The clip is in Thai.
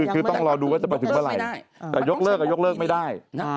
คือต้องรอดูว่าจะไปถึงเมื่อไหร่แต่ยกเลิกก็ยกเลิกไม่ได้